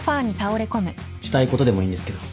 したいことでもいいんですけど。